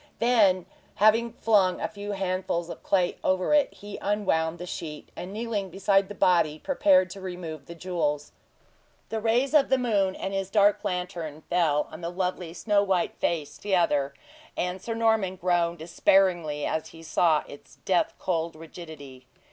Then, having flung a few handfuls of clay over it, he unwound the sheet, and kneeling beside the body, prepared to remove the jewels. The rays of the moon and his dark lantern fell on the lovely, snow white face together, and Sir Norman groaned despairingly as he saw its death cold rigidity.